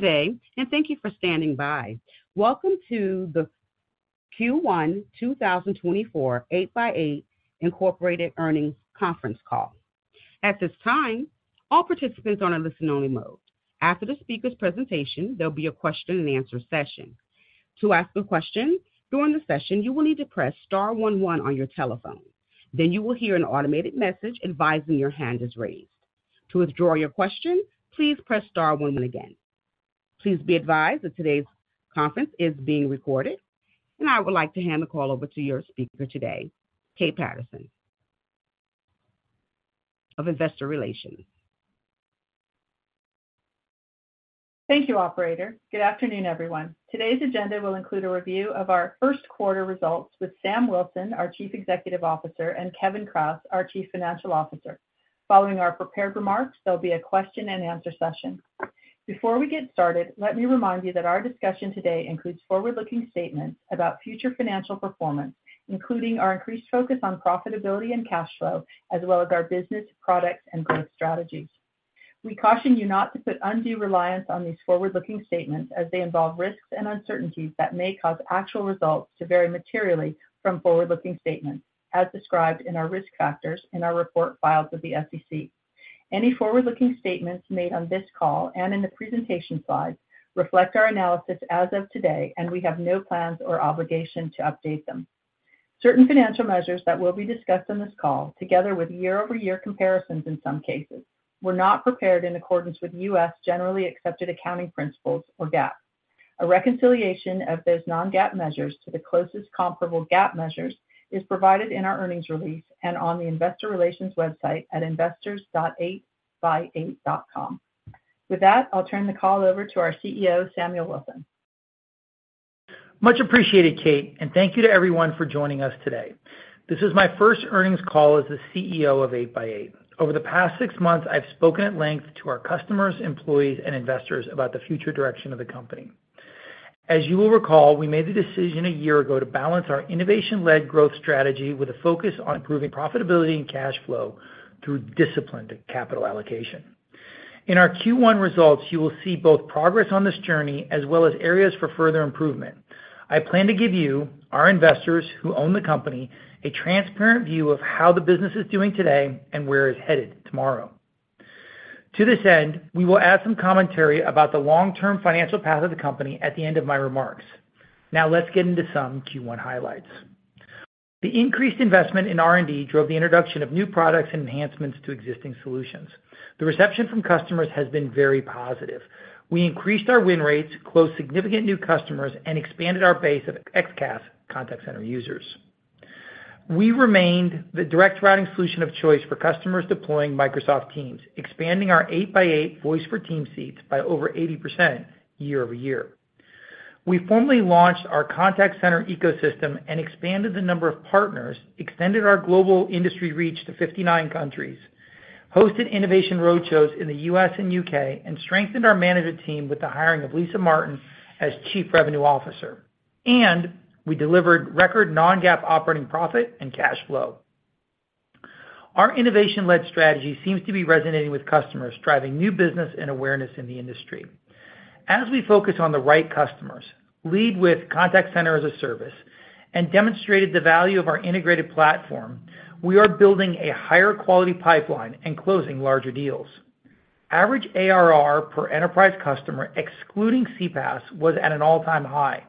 Today. Thank you for standing by. Welcome to the Q1 2024 8x8 Incorporated Earnings Conference Call. At this time, all participants are in a listen-only mode. After the speaker's presentation, there'll be a question and answer session. To ask a question during the session, you will need to press star one one on your telephone. You will hear an automated message advising your hand is raised. To withdraw your question, please press star one one again. Please be advised that today's conference is being recorded. I would like to hand the call over to your speaker today, Kate Patterson, of investor relations. Thank you, operator. Good afternoon, everyone. Today's agenda will include a review of our first quarter results with Sam Wilson, our Chief Executive Officer, and Kevin Kraus, our Chief Financial Officer. Following our prepared remarks, there'll be a question and answer session. Before we get started, let me remind you that our discussion today includes forward-looking statements about future financial performance, including our increased focus on profitability and cash flow, as well as our business, products, and growth strategies. We caution you not to put undue reliance on these forward-looking statements as they involve risks and uncertainties that may cause actual results to vary materially from forward-looking statements, as described in our risk factors in our report filed with the SEC. Any forward-looking statements made on this call and in the presentation slides reflect our analysis as of today, and we have no plans or obligation to update them. Certain financial measures that will be discussed on this call, together with year-over-year comparisons in some cases, were not prepared in accordance with U.S. generally accepted accounting principles or GAAP. A reconciliation of those non-GAAP measures to the closest comparable GAAP measures is provided in our earnings release and on the investor relations website at investors.8x8.com. With that, I'll turn the call over to our CEO, Samuel Wilson. Much appreciated, Kate. Thank you to everyone for joining us today. This is my first earnings call as the CEO of 8x8. Over the past six months, I've spoken at length to our customers, employees, and investors about the future direction of the company. As you will recall, we made the decision one year ago to balance our innovation-led growth strategy with a focus on improving profitability and cash flow through disciplined capital allocation. In our Q1 results, you will see both progress on this journey as well as areas for further improvement. I plan to give you, our investors, who own the company, a transparent view of how the business is doing today and where it's headed tomorrow. To this end, we will add some commentary about the long-term financial path of the company at the end of my remarks. Now, let's get into some Q1 highlights. The increased investment in R&D drove the introduction of new products and enhancements to existing solutions. The reception from customers has been very positive. We increased our win rates, closed significant new customers, and expanded our base of XCaaS contact center users. We remained the direct routing solution of choice for customers deploying Microsoft Teams, expanding our 8x8 Voice for Teams seats by over 80% year-over-year. We formally launched our contact center ecosystem and expanded the number of partners, extended our global industry reach to 59 countries, hosted innovation roadshows in the U.S. and U.K., and strengthened our management team with the hiring of Lisa Martin as Chief Revenue Officer. We delivered record non-GAAP operating profit and cash flow. Our innovation-led strategy seems to be resonating with customers, driving new business and awareness in the industry. As we focus on the right customers, lead with Contact Center as a Service, and demonstrated the value of our integrated platform, we are building a higher quality pipeline and closing larger deals. Average ARR per enterprise customer, excluding CPaaS, was at an all-time high.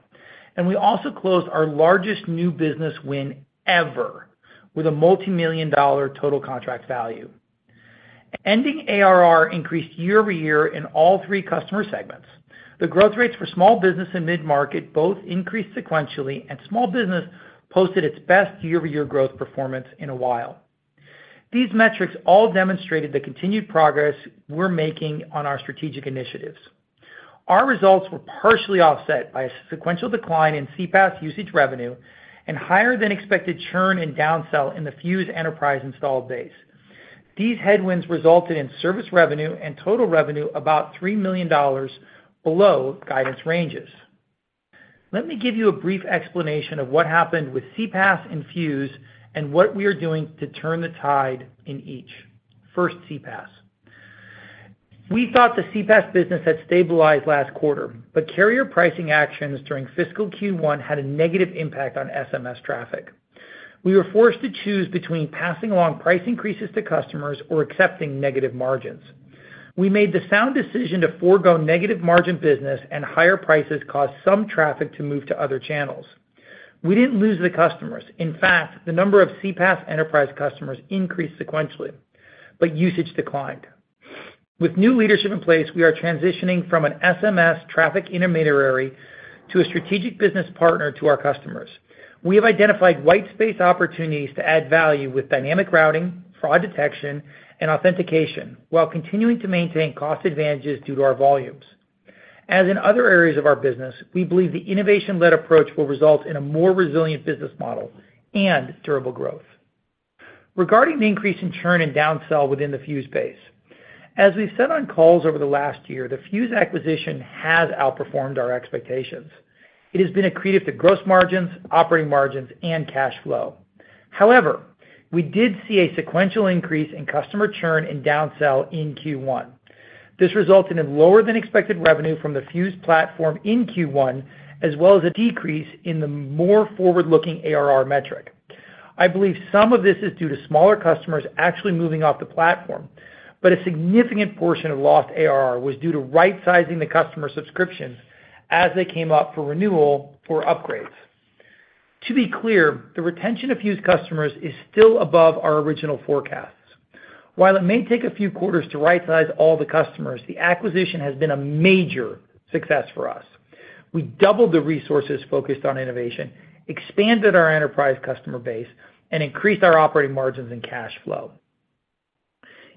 We also closed our largest new business win ever with a $multimillion-dollar total contract value. Ending ARR increased year-over-year in all three customer segments. The growth rates for small business and mid-market both increased sequentially. Small business posted its best year-over-year growth performance in a while. These metrics all demonstrated the continued progress we're making on our strategic initiatives. Our results were partially offset by a sequential decline in CPaaS usage revenue and higher than expected churn and downsell in the Fuze enterprise installed base. These headwinds resulted in service revenue and total revenue about $3 million below guidance ranges. Let me give you a brief explanation of what happened with CPaaS and Fuze, and what we are doing to turn the tide in each. First, CPaaS. We thought the CPaaS business had stabilized last quarter, but carrier pricing actions during fiscal Q1 had a negative impact on SMS traffic. We were forced to choose between passing along price increases to customers or accepting negative margins. We made the sound decision to forgo negative margin business, and higher prices caused some traffic to move to other channels. We didn't lose the customers. In fact, the number of CPaaS enterprise customers increased sequentially, but usage declined. With new leadership in place, we are transitioning from an SMS traffic intermediary to a strategic business partner to our customers. We have identified white space opportunities to add value with dynamic routing, fraud detection, and authentication, while continuing to maintain cost advantages due to our volumes. As in other areas of our business, we believe the innovation-led approach will result in a more resilient business model and durable growth. Regarding the increase in churn and downsell within the Fuze base, as we've said on calls over the last year, the Fuze acquisition has outperformed our expectations. It has been accretive to gross margins, operating margins, and cash flow. However, we did see a sequential increase in customer churn and downsell in Q1. This resulted in lower than expected revenue from the Fuze platform in Q1, as well as a decrease in the more forward-looking ARR metric. I believe some of this is due to smaller customers actually moving off the platform, but a significant portion of lost ARR was due to right-sizing the customer subscriptions as they came up for renewal for upgrades. To be clear, the retention of Fuze customers is still above our original forecasts. While it may take a few quarters to right-size all the customers, the acquisition has been a major success for us. We doubled the resources focused on innovation, expanded our enterprise customer base, and increased our operating margins and cash flow.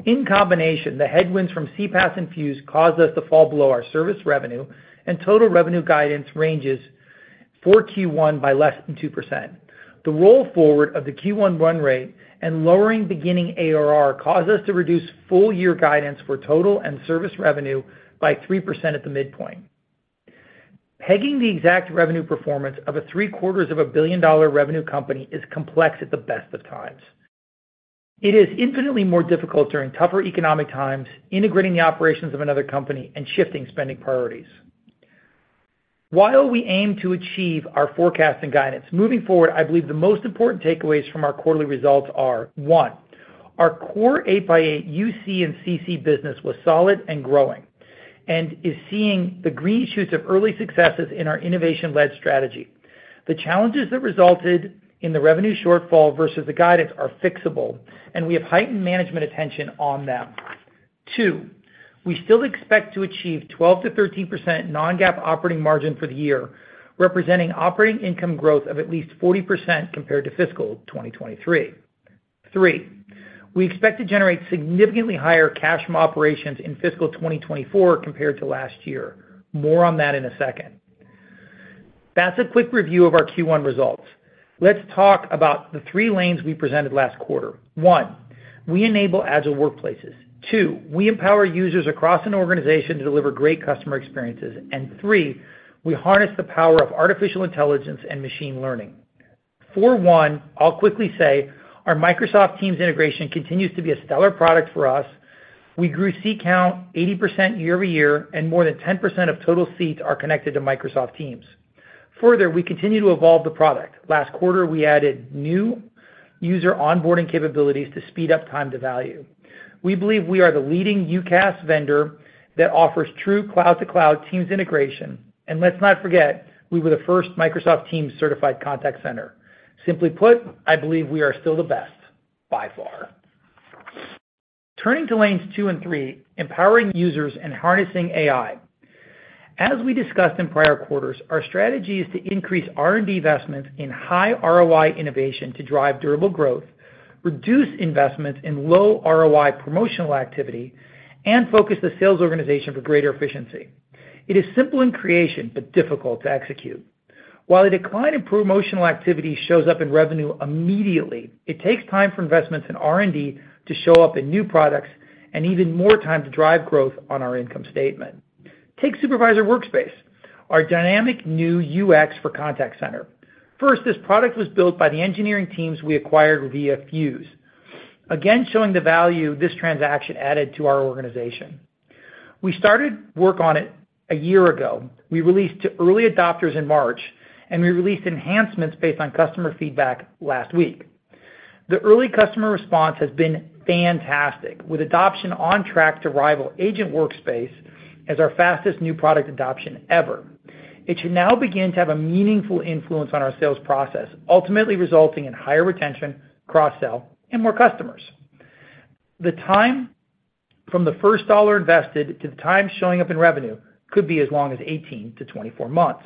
In combination, the headwinds from CPaaS and Fuze caused us to fall below our service revenue, and total revenue guidance ranges for Q1 by less than 2%. The roll forward of the Q1 run rate and lowering beginning ARR caused us to reduce full year guidance for total and service revenue by 3% at the midpoint. Pegging the exact revenue performance of a $0.75 billion revenue company is complex at the best of times. It is infinitely more difficult during tougher economic times, integrating the operations of another company, and shifting spending priorities. While we aim to achieve our forecast and guidance, moving forward, I believe the most important takeaways from our quarterly results are: 1, our core 8x8 UC and CC business was solid and growing, and is seeing the green shoots of early successes in our innovation-led strategy. The challenges that resulted in the revenue shortfall versus the guidance are fixable, and we have heightened management attention on them. two, we still expect to achieve 12%-13% non-GAAP operating margin for the year, representing operating income growth of at least 40% compared to fiscal 2023. Three, we expect to generate significantly higher cash from operations in fiscal 2024 compared to last year. More on that in a second. That's a quick review of our Q1 results. Let's talk about the three lanes we presented last quarter. one, we enable agile workplaces. two, we empower users across an organization to deliver great customer experiences. three, we harness the power of artificial intelligence and machine learning. One, I'll quickly say, our Microsoft Teams integration continues to be a stellar product for us. We grew seat count 80% year-over-year, and more than 10% of total seats are connected to Microsoft Teams. We continue to evolve the product. Last quarter, we added new user onboarding capabilities to speed up time to value. We believe we are the leading UCaaS vendor that offers true cloud-to-cloud Teams integration, and let's not forget, we were the first Microsoft Teams-certified contact center. Simply put, I believe we are still the best, by far. Turning to lanes two and three, empowering users and harnessing AI. As we discussed in prior quarters, our strategy is to increase R&D investments in high ROI innovation to drive durable growth, reduce investments in low ROI promotional activity, and focus the sales organization for greater efficiency. It is simple in creation, but difficult to execute. While the decline in promotional activity shows up in revenue immediately, it takes time for investments in R&D to show up in new products, and even more time to drive growth on our income statement. Take Supervisor Workspace, our dynamic new UX for contact center. First, this product was built by the engineering teams we acquired via Fuze. Again, showing the value this transaction added to our organization. We started work on it a year ago. We released to early adopters in March, and we released enhancements based on customer feedback last week. The early customer response has been fantastic, with adoption on track to rival Agent Workspace as our fastest new product adoption ever. It should now begin to have a meaningful influence on our sales process, ultimately resulting in higher retention, cross-sell, and more customers. The time from the first dollar invested to the time showing up in revenue could be as long as 18-24 months.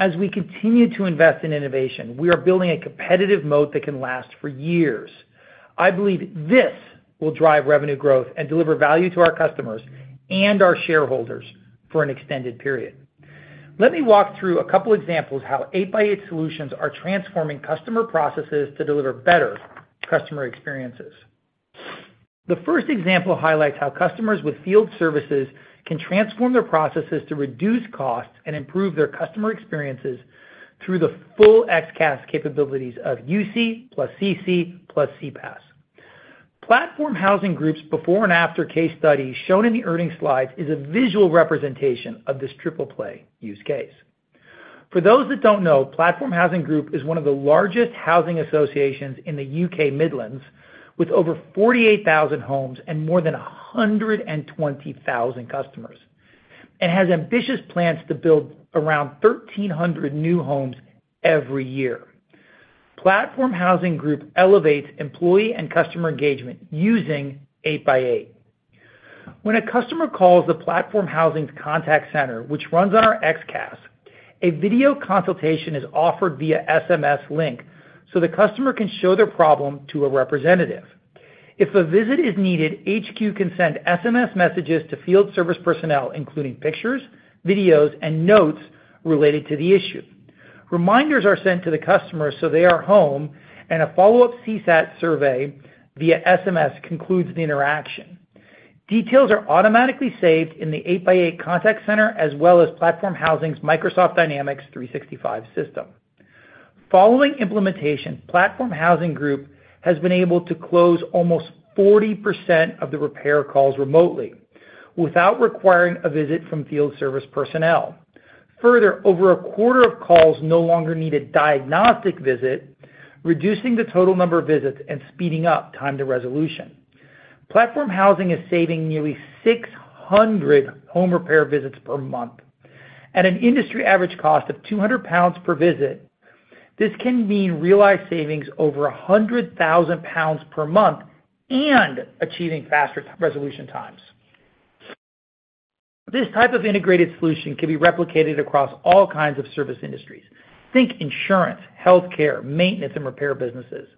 As we continue to invest in innovation, we are building a competitive moat that can last for years. I believe this will drive revenue growth and deliver value to our customers and our shareholders for an extended period. Let me walk through a couple examples how 8x8 solutions are transforming customer processes to deliver better customer experiences. The first example highlights how customers with field services can transform their processes to reduce costs and improve their customer experiences through the full xCaaS capabilities of UC, plus CC, plus CPaaS. Platform Housing Group's before and after case study, shown in the earnings slides, is a visual representation of this triple play use case. For those that don't know, Platform Housing Group is one of the largest housing associations in the UK Midlands, with over 48,000 homes and more than 120,000 customers, and has ambitious plans to build around 1,300 new homes every year. Platform Housing Group elevates employee and customer engagement using 8x8. When a customer calls the Platform Housing's contact center, which runs on our XCaaS, a video consultation is offered via SMS link, so the customer can show their problem to a representative. If a visit is needed, HQ can send SMS messages to field service personnel, including pictures, videos, and notes related to the issue. Reminders are sent to the customer, so they are home, and a follow-up CSAT survey via SMS concludes the interaction. Details are automatically saved in the 8x8 contact center, as well as Platform Housing's Microsoft Dynamics 365 system. Following implementation, Platform Housing Group has been able to close almost 40% of the repair calls remotely, without requiring a visit from field service personnel. Over a quarter of calls no longer need a diagnostic visit, reducing the total number of visits and speeding up time to resolution. Platform Housing is saving nearly 600 home repair visits per month. At an industry average cost of 200 pounds per visit, this can mean realized savings over 100,000 pounds per month, and achieving faster resolution times. This type of integrated solution can be replicated across all kinds of service industries. Think insurance, healthcare, maintenance, and repair businesses.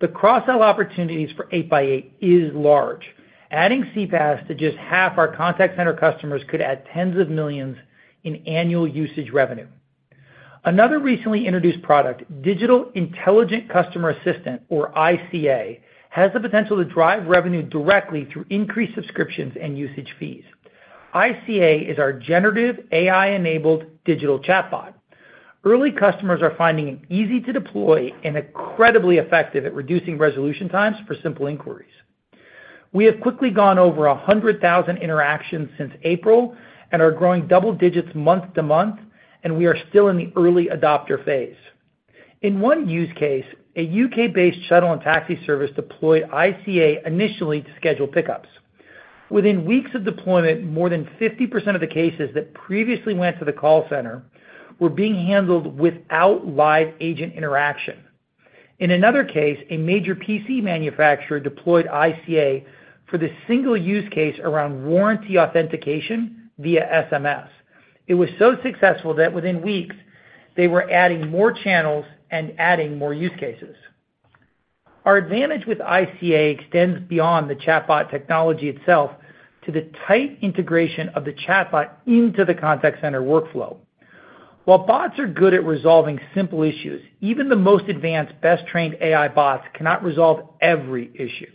The cross-sell opportunities for 8x8 is large. Adding CPaaS to just half our contact center customers could add tens of millions in annual usage revenue. Another recently introduced product, Digital Intelligent Customer Assistant, or ICA, has the potential to drive revenue directly through increased subscriptions and usage fees. ICA is our generative AI-enabled digital chatbot. Early customers are finding it easy to deploy and incredibly effective at reducing resolution times for simple inquiries. We have quickly gone over 100,000 interactions since April, and are growing double digits month-to-month, and we are still in the early adopter phase. In one use case, a U.K.-based shuttle and taxi service deployed ICA initially to schedule pickups. Within weeks of deployment, more than 50% of the cases that previously went to the call center were being handled without live agent interaction. In another case, a major PC manufacturer deployed ICA for the single use case around warranty authentication via SMS. It was so successful that within weeks, they were adding more channels and adding more use cases. Our advantage with ICA extends beyond the chatbot technology itself to the tight integration of the chatbot into the contact center workflow. While bots are good at resolving simple issues, even the most advanced, best-trained AI bots cannot resolve every issue,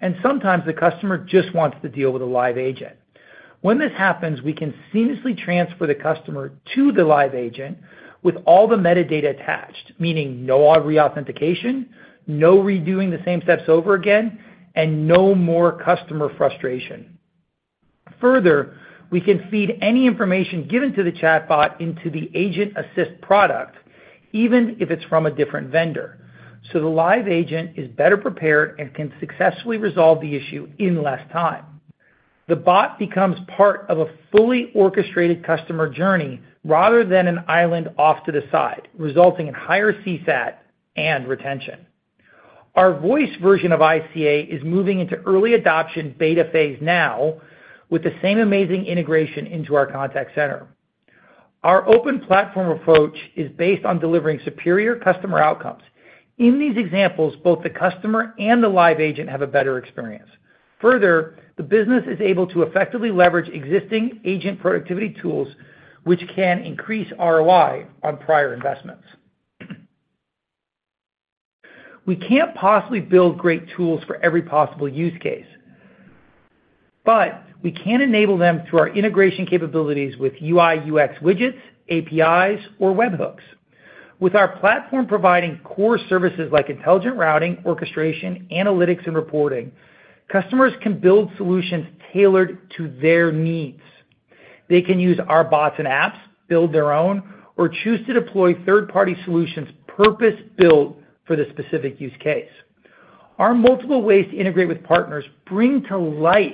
and sometimes the customer just wants to deal with a live agent. When this happens, we can seamlessly transfer the customer to the live agent with all the metadata attached, meaning no reauthentication, no redoing the same steps over again, and no more customer frustration. Further, we can feed any information given to the chatbot into the agent assist product, even if it's from a different vendor. The live agent is better prepared and can successfully resolve the issue in less time. The bot becomes part of a fully orchestrated customer journey rather than an island off to the side, resulting in higher CSAT and retention. Our voice version of ICA is moving into early adoption beta phase now, with the same amazing integration into our contact center. Our open platform approach is based on delivering superior customer outcomes. In these examples, both the customer and the live agent have a better experience. Further, the business is able to effectively leverage existing agent productivity tools, which can increase ROI on prior investments. We can't possibly build great tools for every possible use case, but we can enable them through our integration capabilities with UI, UX widgets, APIs, or webhooks. With our platform providing core services like intelligent routing, orchestration, analytics, and reporting, customers can build solutions tailored to their needs. They can use our bots and apps, build their own, or choose to deploy third-party solutions purpose-built for the specific use case. Our multiple ways to integrate with partners bring to life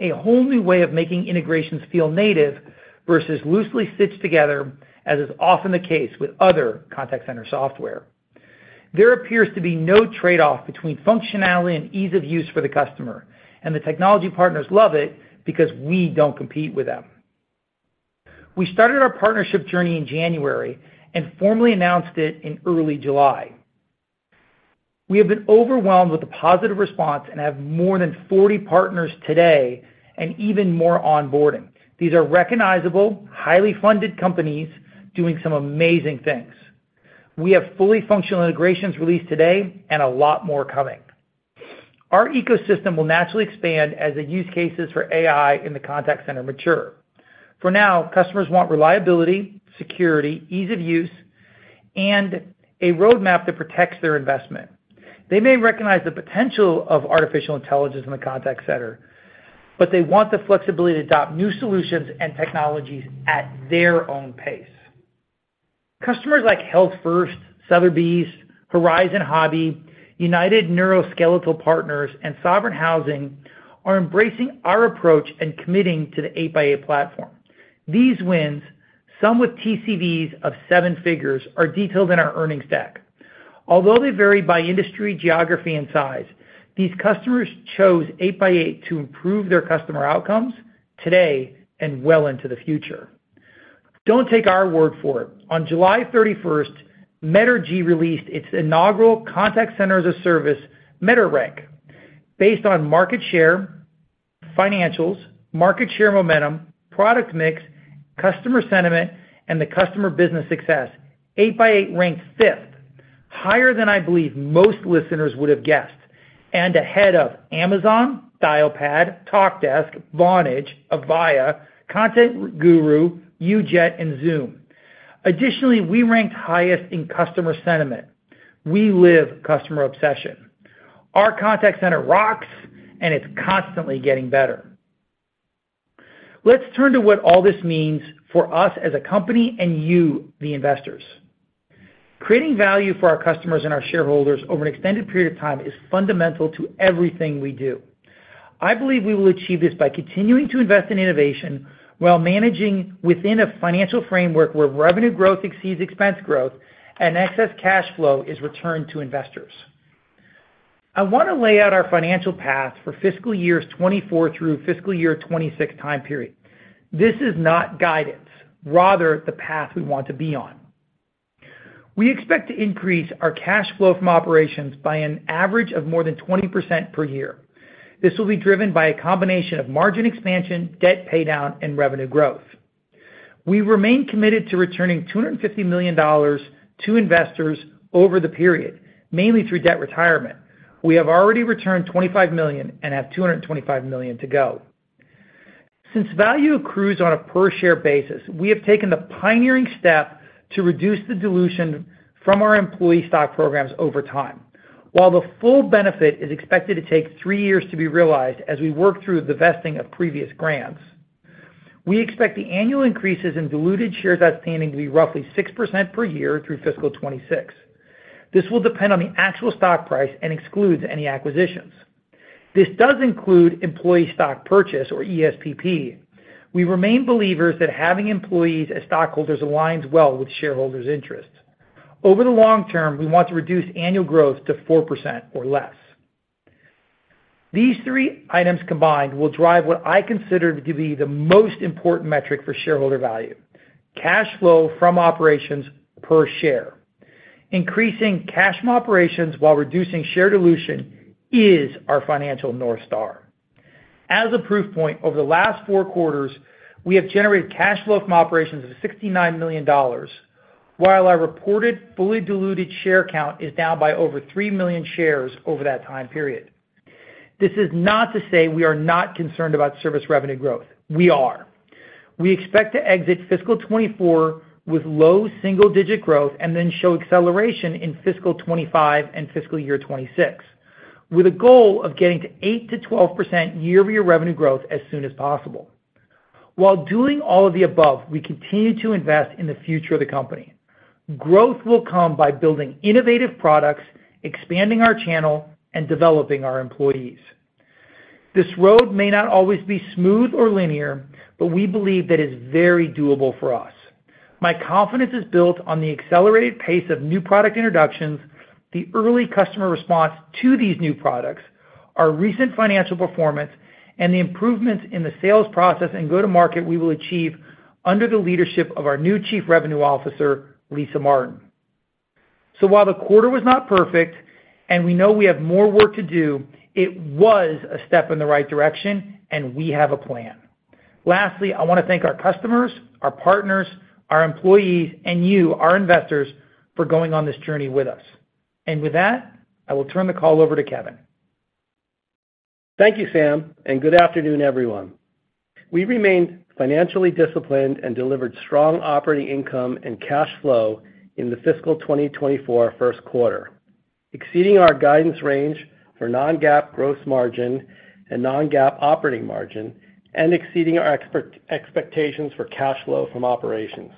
a whole new way of making integrations feel native versus loosely stitched together, as is often the case with other contact center software. There appears to be no trade-off between functionality and ease of use for the customer. The technology partners love it because we don't compete with them. We started our partnership journey in January and formally announced it in early July. We have been overwhelmed with the positive response and have more than 40 partners today and even more onboarding. These are recognizable, highly funded companies doing some amazing things. We have fully functional integrations released today and a lot more coming. Our ecosystem will naturally expand as the use cases for AI in the contact center mature. For now, customers want reliability, security, ease of use, and a roadmap that protects their investment. They may recognize the potential of artificial intelligence in the contact center, they want the flexibility to adopt new solutions and technologies at their own pace. Customers like HealthFirst, Sotheby's, Horizon Hobby, United Musculoskeletal Partners, and Sovereign Housing are embracing our approach and committing to the 8x8 platform. These wins, some with TCVs of seven figures, are detailed in our earnings deck. Although they vary by industry, geography, and size, these customers chose 8x8 to improve their customer outcomes today and well into the future. Don't take our word for it. On July 31st, Metrigy released its inaugural contact center as a service, MetriRank. Based on market share, financials, market share momentum, product mix, customer sentiment, and the customer business success, 8x8 ranked 5th-... higher than I believe most listeners would have guessed, and ahead of Amazon, Dialpad, Talkdesk, Vonage, Avaya, Content Guru, UJET, and Zoom. Additionally, we ranked highest in customer sentiment. We live customer obsession. Our contact center rocks, and it's constantly getting better. Let's turn to what all this means for us as a company and you, the investors. Creating value for our customers and our shareholders over an extended period of time is fundamental to everything we do. I believe we will achieve this by continuing to invest in innovation while managing within a financial framework where revenue growth exceeds expense growth and excess cash flow is returned to investors. I want to lay out our financial path for fiscal years 2024 through fiscal year 2026 time period. This is not guidance, rather, the path we want to be on. We expect to increase our cash flow from operations by an average of more than 20% per year. This will be driven by a combination of margin expansion, debt paydown, and revenue growth. We remain committed to returning $250 million to investors over the period, mainly through debt retirement. We have already returned $25 million and have $225 million to go. Since value accrues on a per-share basis, we have taken the pioneering step to reduce the dilution from our employee stock programs over time. While the full benefit is expected to take three years to be realized as we work through the vesting of previous grants, we expect the annual increases in diluted shares outstanding to be roughly 6% per year through fiscal 2026. This will depend on the actual stock price and excludes any acquisitions. This does include employee stock purchase or ESPP. We remain believers that having employees as stockholders aligns well with shareholders' interests. Over the long term, we want to reduce annual growth to 4% or less. These three items combined will drive what I consider to be the most important metric for shareholder value: cash flow from operations per share. Increasing cash from operations while reducing share dilution is our financial North Star. As a proof point, over the last four quarters, we have generated cash flow from operations of $69 million, while our reported fully diluted share count is down by over 3 million shares over that time period. This is not to say we are not concerned about service revenue growth. We are. We expect to exit fiscal 2024 with low single-digit growth and then show acceleration in fiscal 2025 and fiscal year 2026, with a goal of getting to 8%-12% year-over-year revenue growth as soon as possible. While doing all of the above, we continue to invest in the future of the company. Growth will come by building innovative products, expanding our channel, and developing our employees. This road may not always be smooth or linear, but we believe that it's very doable for us. My confidence is built on the accelerated pace of new product introductions, the early customer response to these new products, our recent financial performance, and the improvements in the sales process and go-to-market we will achieve under the leadership of our new chief revenue officer, Lisa Martin. While the quarter was not perfect and we know we have more work to do, it was a step in the right direction, and we have a plan. Lastly, I want to thank our customers, our partners, our employees, and you, our investors, for going on this journey with us. With that, I will turn the call over to Kevin. Thank you, Sam, and good afternoon, everyone. We remained financially disciplined and delivered strong operating income and cash flow in the fiscal 2024 first quarter, exceeding our guidance range for non-GAAP gross margin and non-GAAP operating margin and exceeding our expectations for cash flow from operations.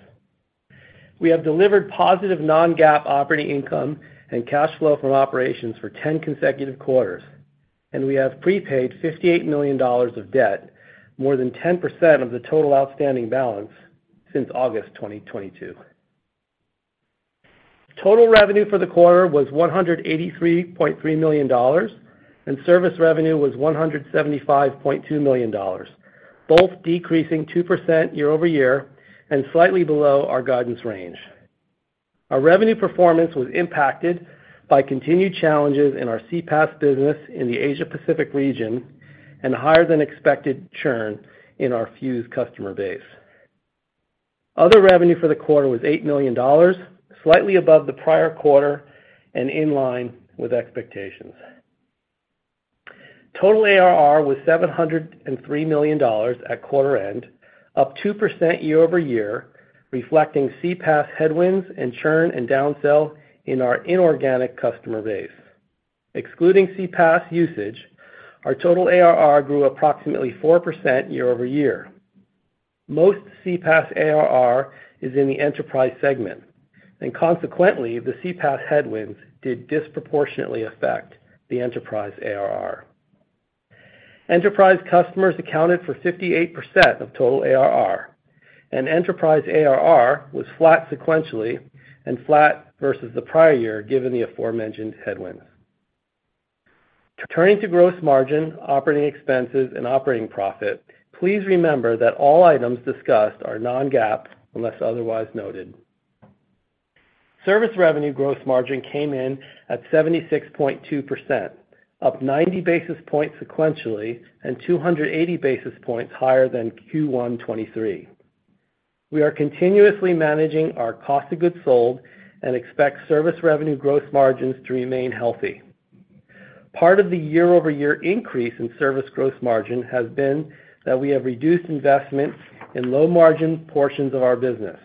We have delivered positive non-GAAP operating income and cash flow from operations for 10 consecutive quarters, and we have prepaid $58 million of debt, more than 10% of the total outstanding balance since August 2022. Total revenue for the quarter was $183.3 million, and service revenue was $175.2 million, both decreasing 2% year-over-year and slightly below our guidance range. Our revenue performance was impacted by continued challenges in our CPaaS business in the Asia Pacific region and higher than expected churn in our Fuze customer base. Other revenue for the quarter was $8 million, slightly above the prior quarter and in line with expectations. Total ARR was $703 million at quarter end, up 2% year-over-year, reflecting CPaaS headwinds and churn and downsell in our inorganic customer base. Excluding CPaaS usage, our total ARR grew approximately 4% year-over-year. Most CPaaS ARR is in the enterprise segment, consequently, the CPaaS headwinds did disproportionately affect the enterprise ARR. Enterprise customers accounted for 58% of total ARR, enterprise ARR was flat sequentially and flat versus the prior year, given the aforementioned headwinds. Turning to gross margin, operating expenses, and operating profit, please remember that all items discussed are non-GAAP unless otherwise noted. Service revenue gross margin came in at 76.2%, up 90 basis points sequentially and 280 basis points higher than Q1 2023. We are continuously managing our cost of goods sold and expect service revenue growth margins to remain healthy. Part of the year-over-year increase in service growth margin has been that we have reduced investment in low-margin portions of our business.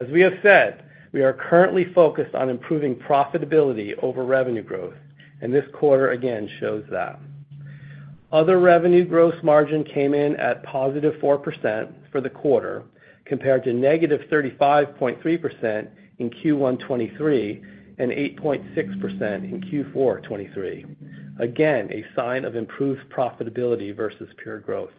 As we have said, we are currently focused on improving profitability over revenue growth, and this quarter again shows that. Other revenue growth margin came in at positive 4% for the quarter, compared to -35.3% in Q1 2023, and 8.6% in Q4 2023. Again, a sign of improved profitability versus pure growth.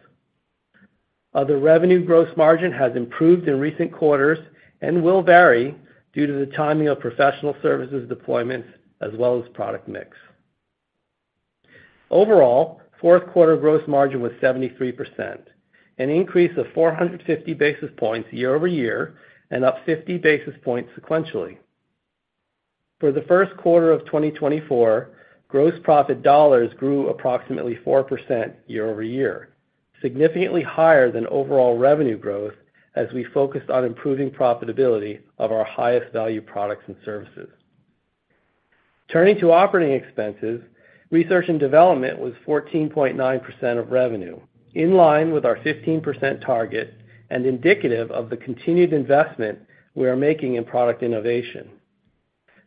Other revenue growth margin has improved in recent quarters and will vary due to the timing of professional services deployments as well as product mix. Overall, fourth quarter growth margin was 73%, an increase of 450 basis points year-over-year, and up 50 basis points sequentially. For the first quarter of 2024, gross profit dollars grew approximately 4% year-over-year, significantly higher than overall revenue growth as we focused on improving profitability of our highest value products and services. Turning to operating expenses, research and development was 14.9% of revenue, in line with our 15% target and indicative of the continued investment we are making in product innovation.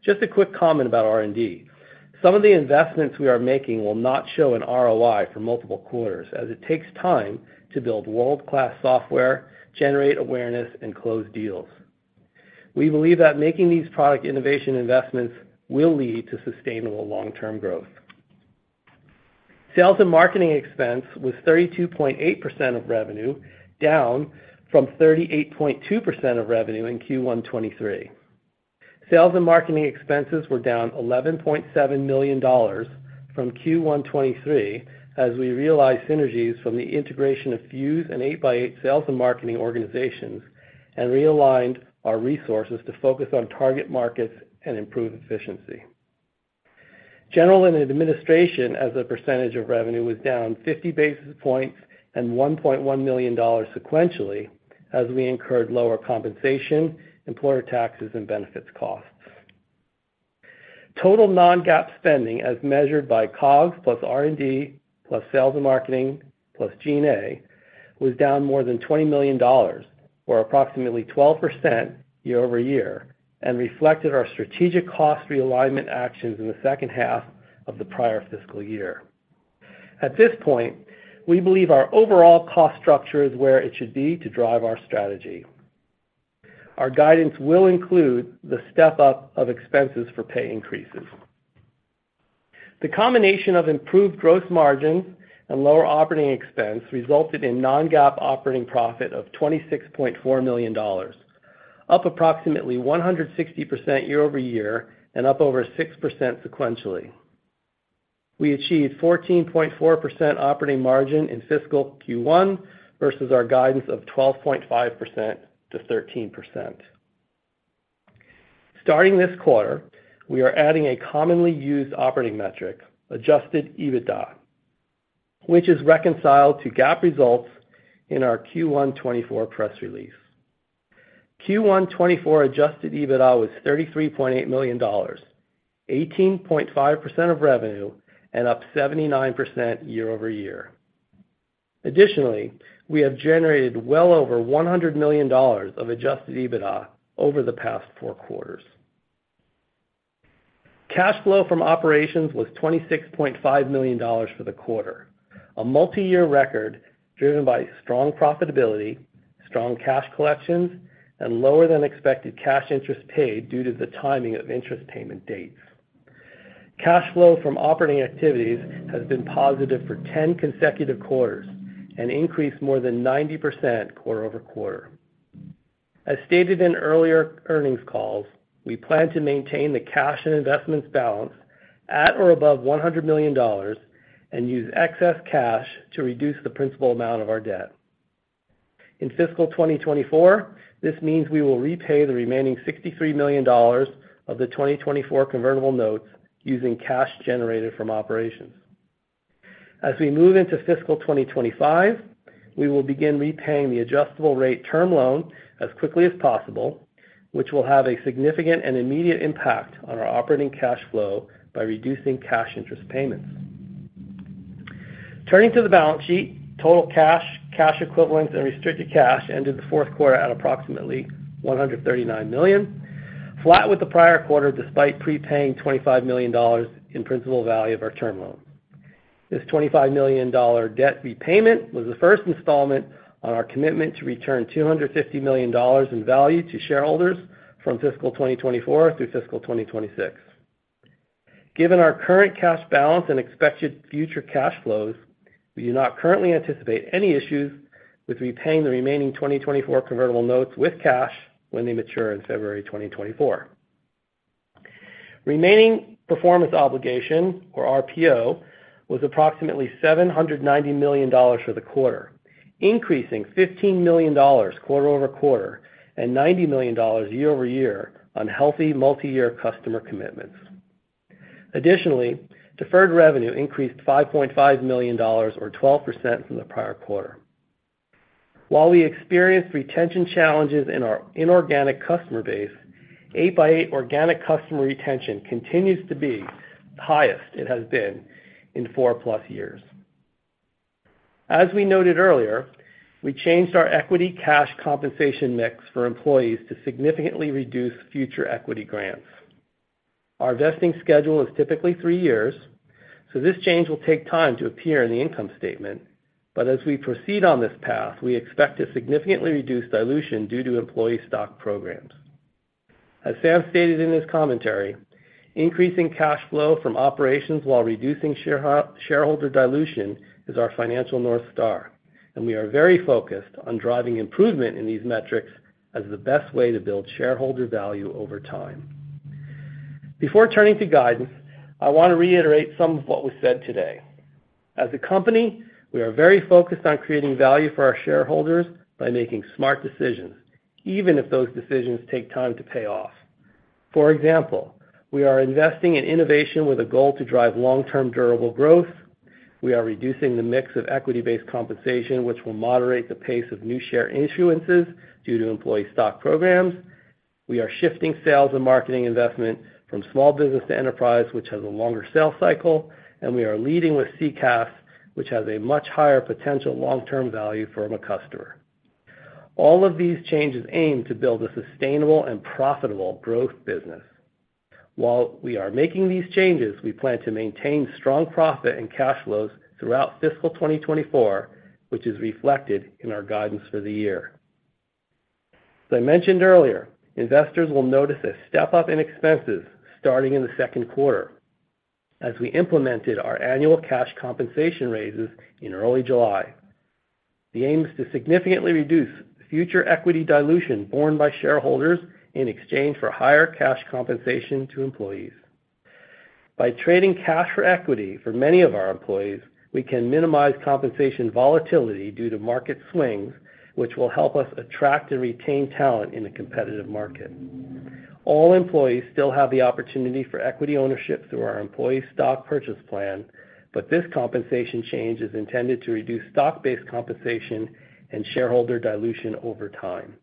Just a quick comment about R&D. Some of the investments we are making will not show an ROI for multiple quarters, as it takes time to build world-class software, generate awareness, and close deals. We believe that making these product innovation investments will lead to sustainable long-term growth. Sales and marketing expense was 32.8% of revenue, down from 38.2% of revenue in Q1 2023. Sales and marketing expenses were down $11.7 million from Q1 2023, as we realized synergies from the integration of Fuze and 8x8 sales and marketing organizations, and realigned our resources to focus on target markets and improve efficiency. General and administration, as a percentage of revenue, was down 50 basis points and $1.1 million sequentially, as we incurred lower compensation, employer taxes, and benefits costs. Total non-GAAP spending, as measured by COGS, plus R&D, plus sales and marketing, plus G&A, was down more than $20 million or approximately 12% year-over-year, and reflected our strategic cost realignment actions in the second half of the prior fiscal year. At this point, we believe our overall cost structure is where it should be to drive our strategy. Our guidance will include the step-up of expenses for pay increases. The combination of improved gross margin and lower operating expense resulted in non-GAAP operating profit of $26.4 million, up approximately 160% year-over-year, and up over 6% sequentially. We achieved 14.4% operating margin in fiscal Q1 versus our guidance of 12.5%-13%. Starting this quarter, we are adding a commonly used operating metric, adjusted EBITDA, which is reconciled to GAAP results in our Q1 2024 press release. Q1 2024 adjusted EBITDA was $33.8 million, 18.5% of revenue, and up 79% year-over-year. Additionally, we have generated well over $100 million of adjusted EBITDA over the past four quarters. Cash flow from operations was $26.5 million for the quarter, a multiyear record driven by strong profitability, strong cash collections, and lower than expected cash interest paid due to the timing of interest payment dates. Cash flow from operating activities has been positive for 10 consecutive quarters and increased more than 90% quarter-over-quarter. As stated in earlier earnings calls, we plan to maintain the cash and investments balance at or above $100 million and use excess cash to reduce the principal amount of our debt. In fiscal 2024, this means we will repay the remaining $63 million of the 2024 convertible notes using cash generated from operations. As we move into fiscal 2025, we will begin repaying the adjustable rate term loan as quickly as possible, which will have a significant and immediate impact on our operating cash flow by reducing cash interest payments. Turning to the balance sheet, total cash, cash equivalents, and restricted cash ended the fourth quarter at approximately $139 million, flat with the prior quarter, despite prepaying $25 million in principal value of our term loan. This $25 million debt repayment was the first installment on our commitment to return $250 million in value to shareholders from fiscal 2024 through fiscal 2026. Given our current cash balance and expected future cash flows, we do not currently anticipate any issues with repaying the remaining 2024 convertible notes with cash when they mature in February 2024. Remaining performance obligation, or RPO, was approximately $790 million for the quarter, increasing $15 million quarter-over-quarter and $90 million year-over-year on healthy multiyear customer commitments. Additionally, deferred revenue increased $5.5 million or 12% from the prior quarter. While we experienced retention challenges in our inorganic customer base, 8x8 organic customer retention continues to be the highest it has been in 4+ years. As we noted earlier, we changed our equity cash compensation mix for employees to significantly reduce future equity grants. Our vesting schedule is typically three years, so this change will take time to appear in the income statement. As we proceed on this path, we expect to significantly reduce dilution due to employee stock programs. As Sam stated in his commentary, increasing cash flow from operations while reducing shareholder dilution is our financial North Star, and we are very focused on driving improvement in these metrics as the best way to build shareholder value over time. Before turning to guidance, I want to reiterate some of what was said today. As a company, we are very focused on creating value for our shareholders by making smart decisions, even if those decisions take time to pay off. For example, we are investing in innovation with a goal to drive long-term, durable growth. We are reducing the mix of equity-based compensation, which will moderate the pace of new share issuances due to employee stock programs. We are shifting sales and marketing investment from small business to enterprise, which has a longer sales cycle, and we are leading with CCaaS, which has a much higher potential long-term value from a customer. All of these changes aim to build a sustainable and profitable growth business. While we are making these changes, we plan to maintain strong profit and cash flows throughout fiscal 2024, which is reflected in our guidance for the year. As I mentioned earlier, investors will notice a step-up in expenses starting in the second quarter as we implemented our annual cash compensation raises in early July. The aim is to significantly reduce future equity dilution borne by shareholders in exchange for higher cash compensation to employees. By trading cash for equity for many of our employees, we can minimize compensation volatility due to market swings, which will help us attract and retain talent in a competitive market. All employees still have the opportunity for equity ownership through our employee stock purchase plan, but this compensation change is intended to reduce stock-based compensation and shareholder dilution over time.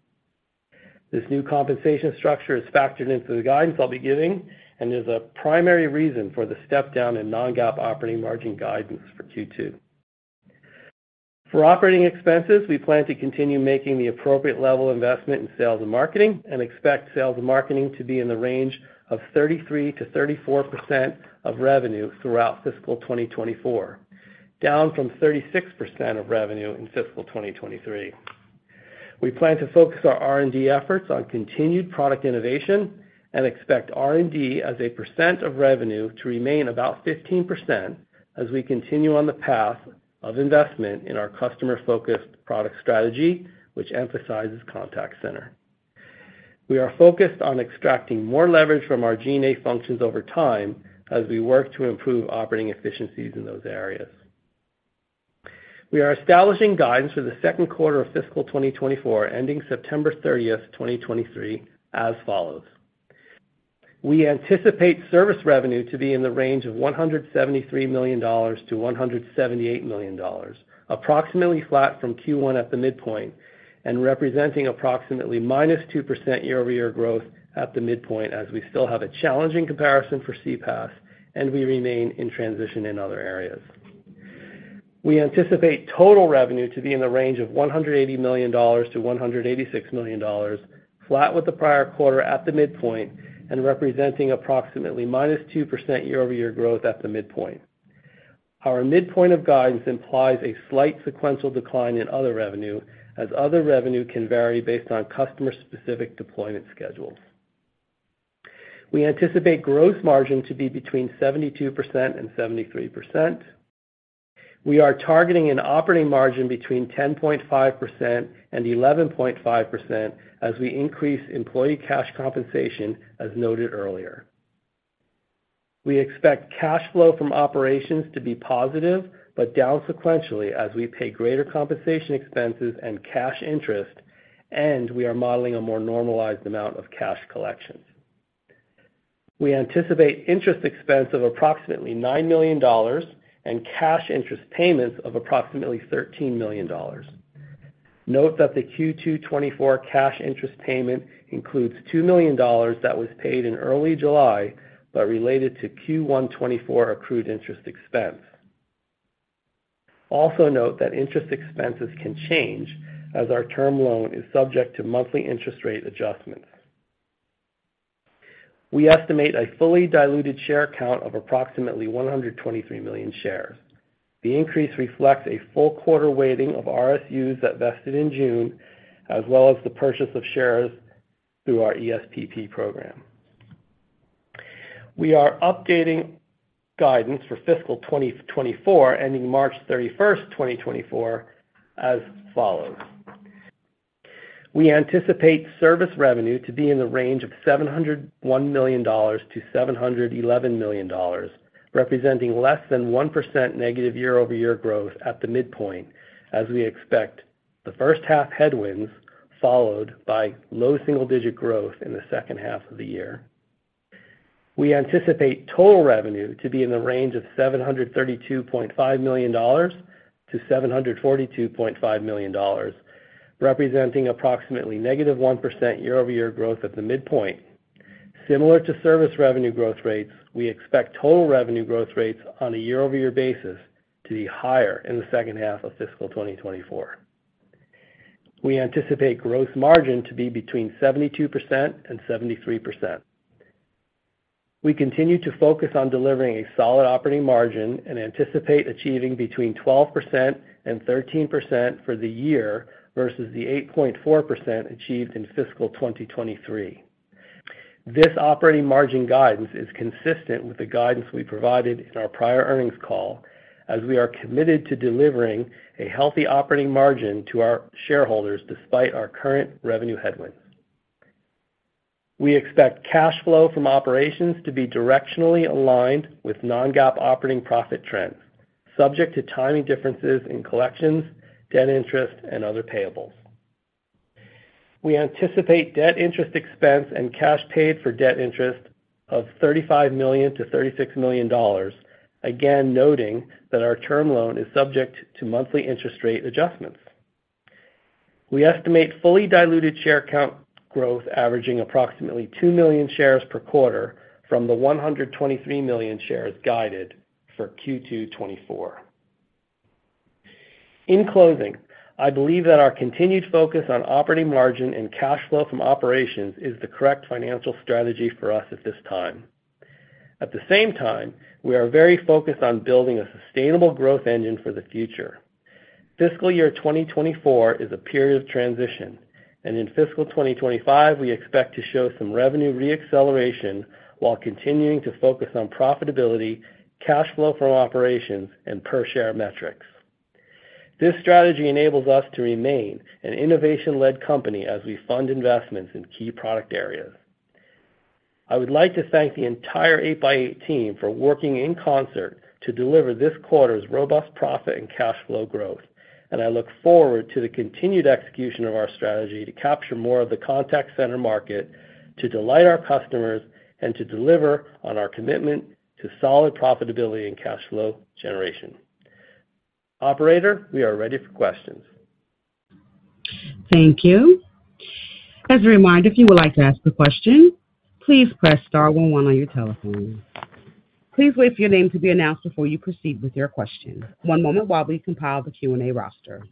This new compensation structure is factored into the guidance I'll be giving and is a primary reason for the step-down in non-GAAP operating margin guidance for Q2. For operating expenses, we plan to continue making the appropriate level of investment in sales and marketing and expect sales and marketing to be in the range of 33%-34% of revenue throughout fiscal 2024, down from 36% of revenue in fiscal 2023. We plan to focus our R&D efforts on continued product innovation and expect R&D as a % of revenue to remain about 15% as we continue on the path of investment in our customer-focused product strategy, which emphasizes contact center. We are focused on extracting more leverage from our G&A functions over time as we work to improve operating efficiencies in those areas. We are establishing guidance for the second quarter of fiscal 2024, ending September 30th, 2023, as follows: We anticipate service revenue to be in the range of $173 million-$178 million, approximately flat from Q1 at the midpoint, and representing approximately -2% year-over-year growth at the midpoint, as we still have a challenging comparison for CPaaS, and we remain in transition in other areas. We anticipate total revenue to be in the range of $180 million-$186 million, flat with the prior quarter at the midpoint, and representing approximately -2% year-over-year growth at the midpoint. Our midpoint of guidance implies a slight sequential decline in other revenue, as other revenue can vary based on customer-specific deployment schedules. We anticipate gross margin to be between 72%-73%. We are targeting an operating margin between 10.5%-11.5% as we increase employee cash compensation as noted earlier. We expect cash flow from operations to be positive, but down sequentially as we pay greater compensation expenses and cash interest, and we are modeling a more normalized amount of cash collections. We anticipate interest expense of approximately $9 million and cash interest payments of approximately $13 million. Note that the Q2 2024 cash interest payment includes $2 million that was paid in early July, but related to Q1 2024 accrued interest expense. Note that interest expenses can change, as our term loan is subject to monthly interest rate adjustments. We estimate a fully diluted share count of approximately 123 million shares. The increase reflects a full quarter weighting of RSUs that vested in June, as well as the purchase of shares through our ESPP program. We are updating guidance for fiscal 2024, ending March 31st, 2024, as follows: We anticipate service revenue to be in the range of $701 million-$711 million, representing less than 1% negative year-over-year growth at the midpoint, as we expect the first half headwinds, followed by low single-digit growth in the second half of the year. We anticipate total revenue to be in the range of $732.5 million-$742.5 million, representing approximately negative 1% year-over-year growth at the midpoint. Similar to service revenue growth rates, we expect total revenue growth rates on a year-over-year basis to be higher in the second half of fiscal 2024. We anticipate gross margin to be between 72% and 73%. We continue to focus on delivering a solid operating margin and anticipate achieving between 12% and 13% for the year versus the 8.4% achieved in fiscal 2023. This operating margin guidance is consistent with the guidance we provided in our prior earnings call, as we are committed to delivering a healthy operating margin to our shareholders despite our current revenue headwinds. We expect cash flow from operations to be directionally aligned with non-GAAP operating profit trends, subject to timing differences in collections, debt interest, and other payables. We anticipate debt interest expense and cash paid for debt interest of $35 million-$36 million, again, noting that our term loan is subject to monthly interest rate adjustments. We estimate fully diluted share count growth averaging approximately 2 million shares per quarter from the 123 million shares guided for Q2 2024. In closing, I believe that our continued focus on operating margin and cash flow from operations is the correct financial strategy for us at this time. At the same time, we are very focused on building a sustainable growth engine for the future. Fiscal year 2024 is a period of transition. In fiscal 2025, we expect to show some revenue re-acceleration while continuing to focus on profitability, cash flow from operations, and per share metrics. This strategy enables us to remain an innovation-led company as we fund investments in key product areas. I would like to thank the entire 8x8 team for working in concert to deliver this quarter's robust profit and cash flow growth, and I look forward to the continued execution of our strategy to capture more of the contact center market, to delight our customers, and to deliver on our commitment to solid profitability and cash flow generation. Operator, we are ready for questions. Thank you. As a reminder, if you would like to ask a question, please press star one one on your telephone. Please wait for your name to be announced before you proceed with your question. One moment while we compile the Q&A roster.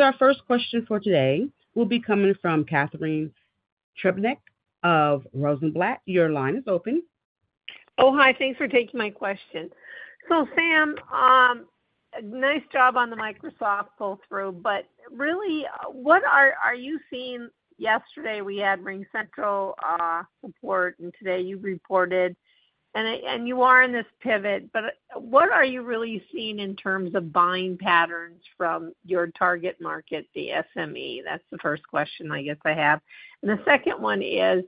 Our first question for today will be coming from Catharine Trebnick of Rosenblatt. Your line is open. Oh, hi, thanks for taking my question. Sam, nice job on the Microsoft pull-through, but really, what are you seeing... Yesterday, we had RingCentral report, and today you reported, and you are in this pivot, but what are you really seeing in terms of buying patterns from your target market, the SME? That's the first question I guess I have. The second one is,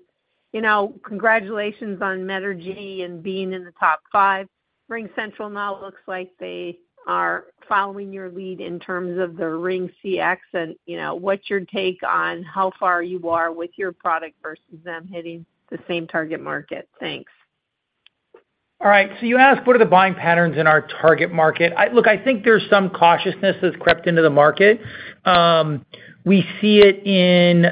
you know, congratulations on Meta Genie and being in the top five. RingCentral now looks like they are following your lead in terms of the RingCX, and, you know, what's your take on how far you are with your product versus them hitting the same target market? Thanks. All right. You asked, what are the buying patterns in our target market? Look, I think there's some cautiousness that's crept into the market. We see it in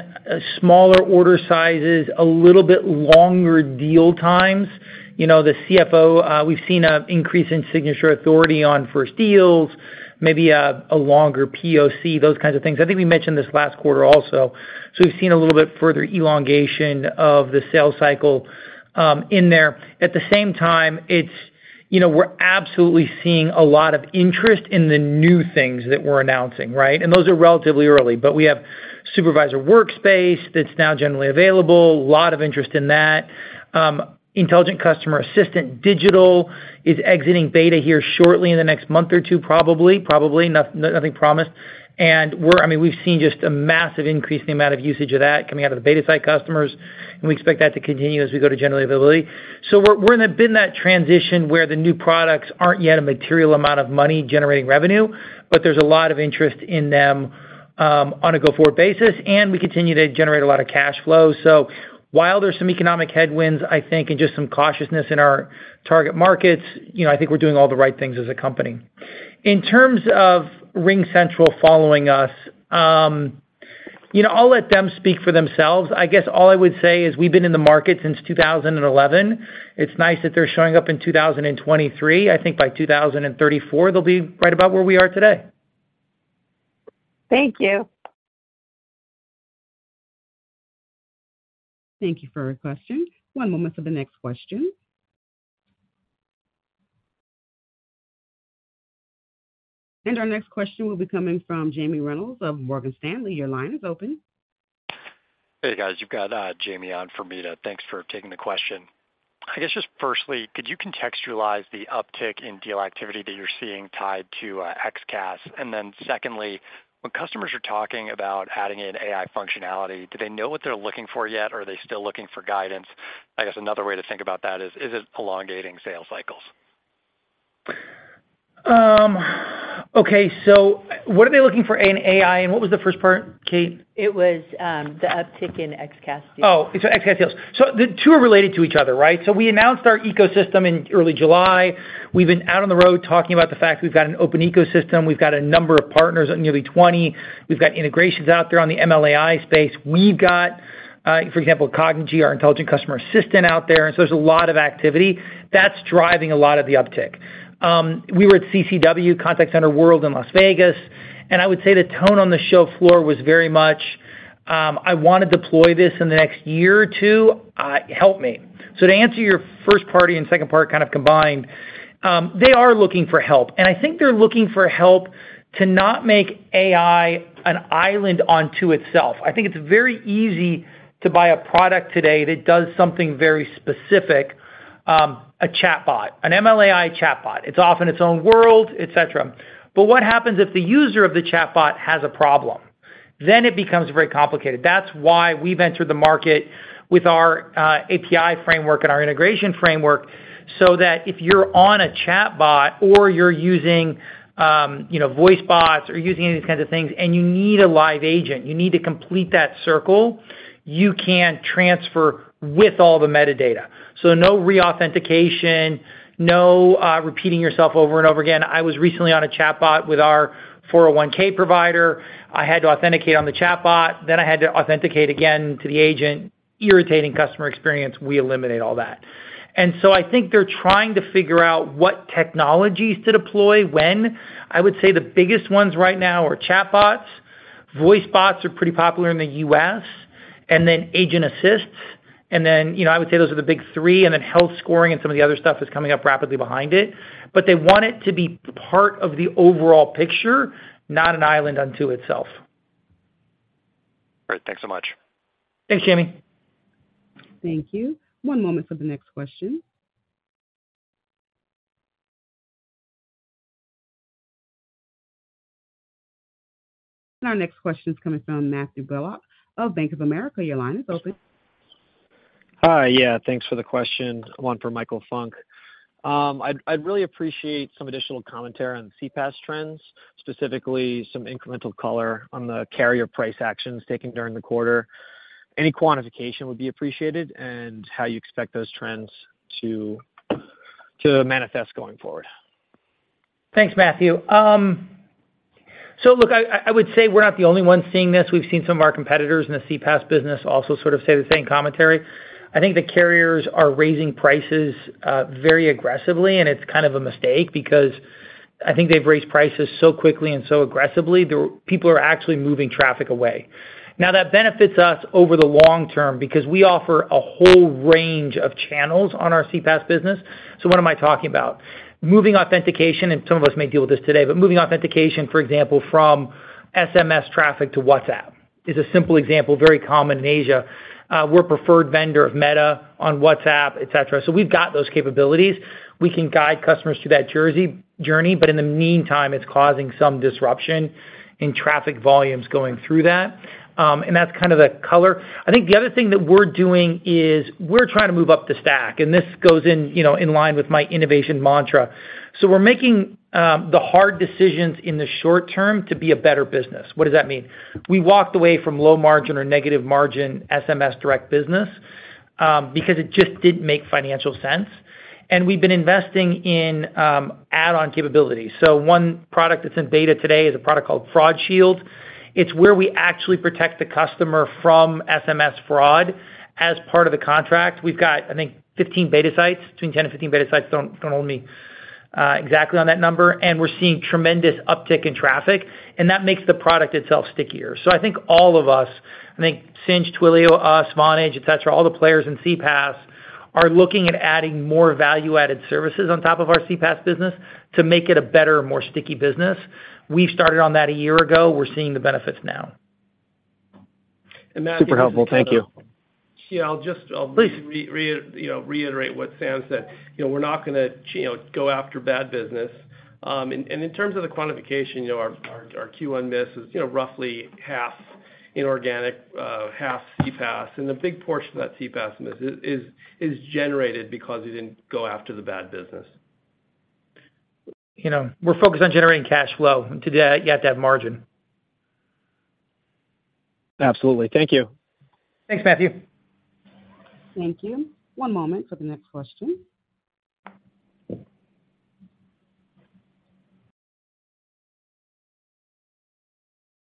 smaller order sizes, a little bit longer deal times. You know, the CFO, we've seen an increase in signature authority on first deals, maybe a, a longer POC, those kinds of things. I think we mentioned this last quarter also. We've seen a little bit further elongation of the sales cycle in there. At the same time, it's, you know, we're absolutely seeing a lot of interest in the new things that we're announcing, right? Those are relatively early, but we have Supervisor Workspace that's now generally available. A lot of interest in that. Intelligent Customer Assistant Digital is exiting beta here shortly in the next month or two, probably, probably, nothing promised. I mean, we've seen just a massive increase in the amount of usage of that coming out of the beta site customers, and we expect that to continue as we go to general availability. We're in that transition where the new products aren't yet a material amount of money generating revenue, but there's a lot of interest in them on a go-forward basis, and we continue to generate a lot of cash flow. While there's some economic headwinds, I think, and just some cautiousness in our target markets, you know, I think we're doing all the right things as a company. In terms of RingCentral following us, you know, I'll let them speak for themselves. I guess all I would say is we've been in the market since 2011. It's nice that they're showing up in 2023. I think by 2034, they'll be right about where we are today. Thank you. Thank you for your question. One moment for the next question. Our next question will be coming from Jamie Reynolds of Morgan Stanley. Your line is open. Hey, guys, you've got Jamie on for Meta. Thanks for taking the question. I guess just firstly, could you contextualize the uptick in deal activity that you're seeing tied to XCaaS? Then secondly, when customers are talking about adding in AI functionality, do they know what they're looking for yet, or are they still looking for guidance? I guess another way to think about that is, is it elongating sales cycles? Okay, what are they looking for in AI, and what was the first part, Kate? It was, the uptick in XCaaS deals. Oh, XCaaS deals. The two are related to each other, right? We announced our ecosystem in early July. We've been out on the road talking about the fact we've got an open ecosystem. We've got a number of partners, nearly 20. We've got integrations out there on the ML/AI space. We've got, for example, Cognigy, our Intelligent Customer Assistant, out there, and so there's a lot of activity. That's driving a lot of the uptick. We were at CCW, Customer Contact Week in Las Vegas, and I would say the tone on the show floor was very much, I wanna deploy this in the next year or two, help me. To answer your first part and second part kind of combined, they are looking for help, and I think they're looking for help to not make AI an island unto itself. I think it's very easy to buy a product today that does something very specific, a chatbot, an ML/AI chatbot. It's often its own world, et cetera. What happens if the user of the chatbot has a problem? It becomes very complicated. That's why we've entered the market with our API framework and our integration framework, so that if you're on a chatbot or you're using, you know, voice bots or using these kinds of things, and you need a live agent, you need to complete that circle, you can transfer with all the metadata. No reauthentication, no repeating yourself over and over again. I was recently on a chatbot with our 401 provider. I had to authenticate on the chatbot, then I had to authenticate again to the agent. Irritating customer experience, we eliminate all that. I think they're trying to figure out what technologies to deploy when. I would say the biggest ones right now are chatbots. Voice bots are pretty popular in the U.S., and then agent assists, and then, you know, I would say those are the big three, and then health scoring and some of the other stuff is coming up rapidly behind it. They want it to be part of the overall picture, not an island unto itself. Great. Thanks so much. Thanks, Jimmy. Thank you. One moment for the next question. Our next question is coming from Matthew Bullock of Bank of America. Your line is open. Hi. Yeah, thanks for the question. One for Michael Funk. I'd, I'd really appreciate some additional commentary on the CPaaS trends, specifically some incremental color on the carrier price actions taken during the quarter. Any quantification would be appreciated, and how you expect those trends to, to manifest going forward. Thanks, Matthew. Look, I, I, I would say we're not the only ones seeing this. We've seen some of our competitors in the CPaaS business also sort of say the same commentary. I think the carriers are raising prices very aggressively, and it's kind of a mistake because I think they've raised prices so quickly and so aggressively, the people are actually moving traffic away. That benefits us over the long term because we offer a whole range of channels on our CPaaS business. What am I talking about? Moving authentication, and some of us may deal with this today, but moving authentication, for example, from SMS traffic to WhatsApp is a simple example, very common in Asia. We're a preferred vendor of Meta on WhatsApp, et cetera. We've got those capabilities. We can guide customers through that journey, but in the meantime, it's causing some disruption in traffic volumes going through that. That's kind of the color. I think the other thing that we're doing is we're trying to move up the stack, and this goes in, you know, in line with my innovation mantra. We're making the hard decisions in the short term to be a better business. What does that mean? We walked away from low margin or negative margin SMS direct business because it just didn't make financial sense. We've been investing in add-on capabilities. One product that's in beta today is a product called Fraud Shield. It's where we actually protect the customer from SMS fraud as part of the contract. We've got, I think, 15 beta sites, between 10 and 15 beta sites, don't, don't hold me exactly on that number, and we're seeing tremendous uptick in traffic, and that makes the product itself stickier. I think all of us, I think Sinch, Twilio, us, Vonage, et cetera, all the players in CPaaS, are looking at adding more value-added services on top of our CPaaS business to make it a better, more sticky business. We started on that a year ago. We're seeing the benefits now. Super helpful. Thank you. Yeah, I'll. Please. you know, reiterate what Sam said. You know, we're not gonna you know, go after bad business. In terms of the quantification, you know, our Q1 miss is, you know, roughly half inorganic, half CPaaS, and a big portion of that CPaaS miss is generated because we didn't go after the bad business. You know, we're focused on generating cash flow. Today, you have to have margin. Absolutely. Thank you. Thanks, Matthew. Thank you. One moment for the next question. The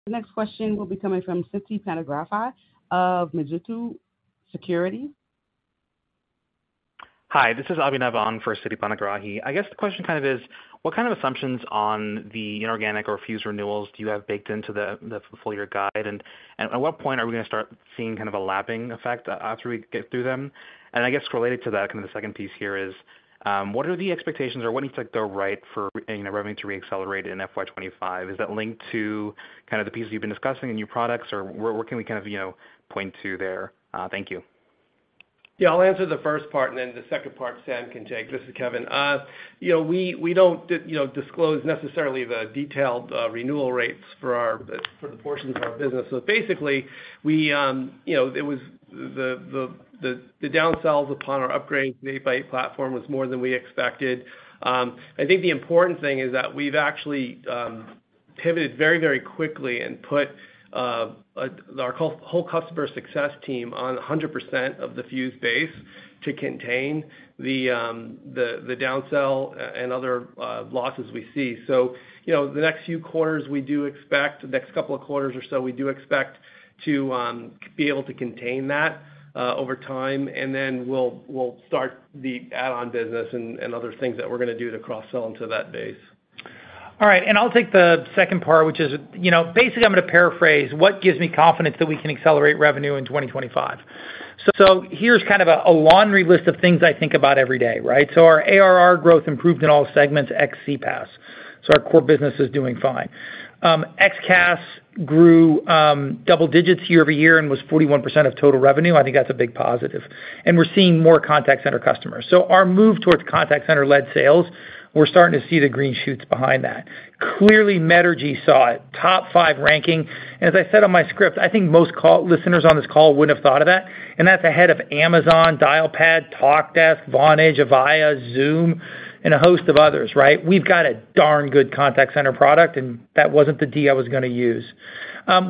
next question will be coming from Siti Panigrahi of Mizuho Securities. Hi, this is Abhinav on for Siti Panigrahi. I guess the question kind of is, what kind of assumptions on the inorganic or Fuze renewals do you have baked into the, the full year guide? At what point are we gonna start seeing kind of a lapping effect, after we get through them? I guess related to that, kind of the second piece here is, what are the expectations or when does it look right for, you know, revenue to reaccelerate in FY 2025? Is that linked to kind of the pieces you've been discussing and new products, or what can we kind of, you know, point to there? Thank you. Yeah, I'll answer the first part, and then the second part, Sam can take. This is Kevin. You know, we, we don't, you know, disclose necessarily the detailed renewal rates for the portions of our business. So basically, we, you know, it was the, the, the down sells upon our upgrade, the 8x8 platform was more than we expected. I think the important thing is that we've actually pivoted very, very quickly and put our whole, whole customer success team on 100% of the Fuze base to contain the down sell and other losses we see. You know, the next few quarters, the next couple of quarters or so, we do expect to be able to contain that over time, and then we'll, we'll start the add-on business and, and other things that we're going to do to cross-sell into that base. All right, I'll take the second part, which is, you know, basically, I'm going to paraphrase what gives me confidence that we can accelerate revenue in 2025. Here's kind of a, a laundry list of things I think about every day, right? Our ARR growth improved in all segments, ex CPaaS. XCaaS grew double digits year over year and was 41% of total revenue. I think that's a big positive, and we're seeing more contact center customers. Our move towards contact center-led sales, we're starting to see the green shoots behind that. Clearly, Metrigy saw it, top five ranking, and as I said on my script, I think most call listeners on this call would have thought of that, and that's ahead of Amazon, Dialpad, Talkdesk, Vonage, Avaya, Zoom, and a host of others, right? We've got a darn good contact center product, and that wasn't the D I was going to use.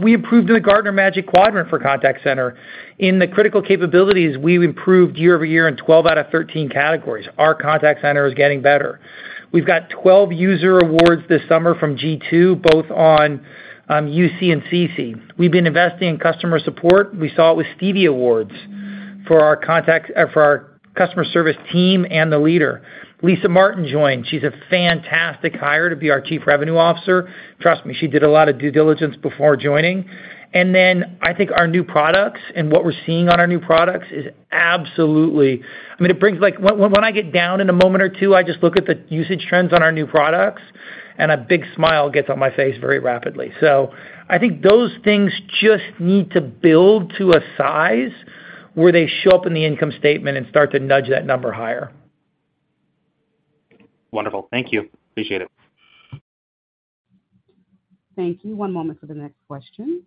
We improved in the Gartner Magic Quadrant for contact center. In the critical capabilities, we've improved year-over-year in 12 out of 13 categories. Our contact center is getting better. We've got 12 user awards this summer from G2, both on UC and CC. We've been investing in customer support. We saw it with Stevie Awards for our contact, for our customer service team and the leader. Lisa Martin joined. She's a fantastic hire to be our chief revenue officer. Trust me, she did a lot of due diligence before joining. Then I think our new products and what we're seeing on our new products is absolutely... I mean, like, when, when I get down in a moment or two, I just look at the usage trends on our new products, and a big smile gets on my face very rapidly. So I think those things just need to build to a size where they show up in the income statement and start to nudge that number higher. Wonderful. Thank you. Appreciate it. Thank you. One moment for the next question.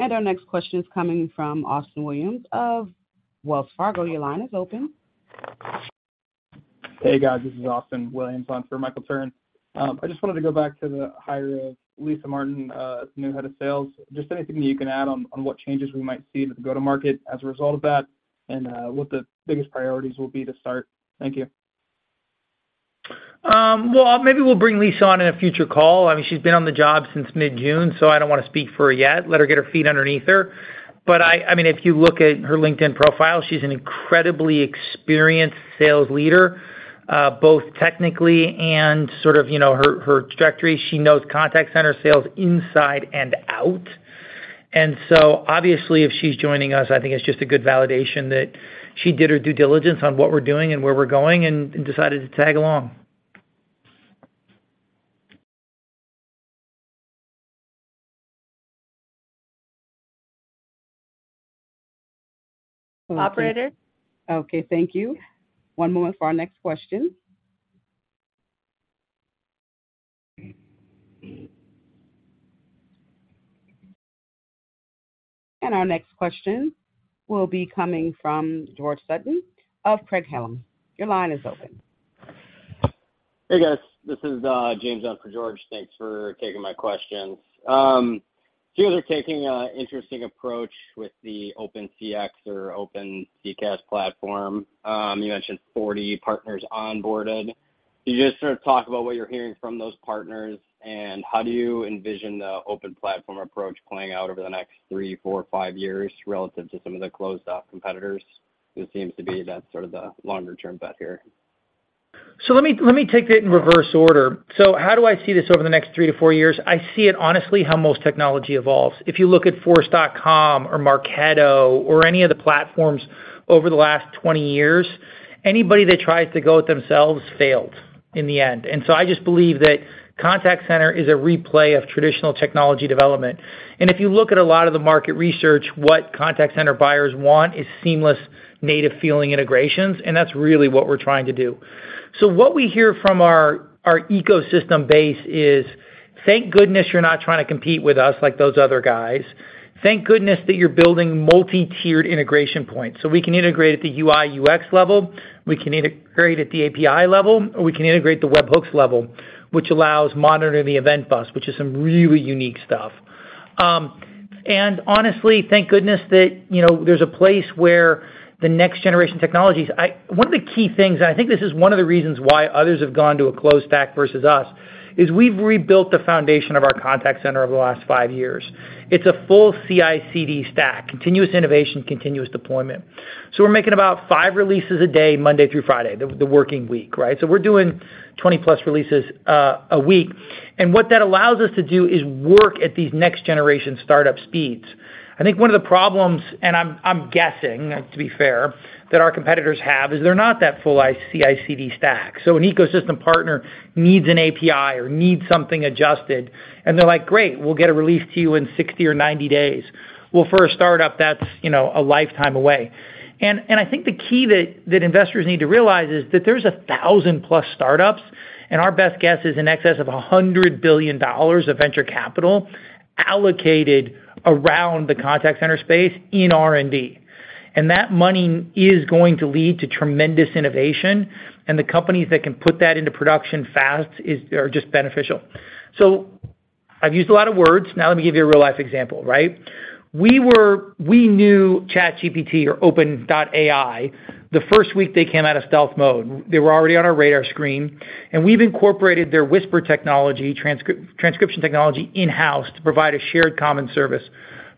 Our next question is coming from Austin Williams of Wells Fargo. Your line is open. Hey, guys, this is Austin Williams on for Michael Turrin. I just wanted to go back to the hire of Lisa Martin, the new head of sales. Just anything you can add on, on what changes we might see with the go-to-market as a result of that, and what the biggest priorities will be to start. Thank you. Well, maybe we'll bring Lisa on in a future call. I mean, she's been on the job since mid-June, so I don't want to speak for her yet, let her get her feet underneath her. I, I mean, if you look at her LinkedIn profile, she's an incredibly experienced sales leader, both technically and sort of, you know, her, her trajectory. She knows contact center sales inside and out. Obviously, if she's joining us, I think it's just a good validation that she did her due diligence on what we're doing and where we're going, and, and decided to tag along. Operator? Okay, thank you. One moment for our next question. Our next question will be coming from George Sutton of Craig-Hallum. Your line is open. Hey, guys, this is James in for George. Thanks for taking my questions. You guys are taking an interesting approach with the open CX or open CCaaS platform. You mentioned 40 partners onboarded. Can you just sort of talk about what you're hearing from those partners, and how do you envision the open platform approach playing out over the next three, four, five years relative to some of the closed-off competitors? It seems to be that's sort of the longer-term bet here. Let me, let me take that in reverse order. How do I see this over the next three to four years? I see it honestly, how most technology evolves. If you look at Force.com or Marketo or any of the platforms over the last 20 years, anybody that tries to go it themselves failed in the end. I just believe that contact center is a replay of traditional technology development. If you look at a lot of the market research, what contact center buyers want is seamless, native feeling integrations, and that's really what we're trying to do. What we hear from our, our ecosystem base is: Thank goodness you're not trying to compete with us like those other guys. Thank goodness that you're building multi-tiered integration points, so we can integrate at the UI/UX level, we can integrate at the API level, or we can integrate the webhooks level, which allows monitoring the event bus, which is some really unique stuff. And honestly, thank goodness that, you know, there's a place where the next generation technologies... One of the key things, and I think this is one of the reasons why others have gone to a closed stack versus us, is we've rebuilt the foundation of our contact center over the last five years. It's a full CICD stack, continuous innovation, continuous deployment. We're making about five releases a day, Monday through Friday, the working week, right? We're doing 20+ releases a week. What that allows us to do is work at these next-generation startup speeds.... I think one of the problems, and I'm, I'm guessing, to be fair, that our competitors have, is they're not that full CICD stack. An ecosystem partner needs an API or needs something adjusted, and they're like: "Great, we'll get a release to you in 60 or 90 days." Well, for a startup, that's, you know, a lifetime away. And I think the key that, that investors need to realize is that there's a 1,000+ startups, and our best guess is in excess of $100 billion of venture capital allocated around the contact center space in R&D. That money is going to lead to tremendous innovation, and the companies that can put that into production fast are just beneficial. I've used a lot of words. Now, let me give you a real-life example, right? We knew ChatGPT or OpenAI, the first week they came out of stealth mode. They were already on our radar screen, and we've incorporated their Whisper technology, transcription technology, in-house to provide a shared common service